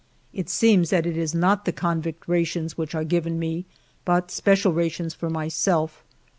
It seems that it is not the convict rations which are given me, but special rations for myself.